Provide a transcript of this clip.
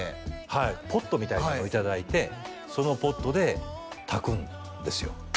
はいポットみたいなのを頂いてそのポットで炊くんですよ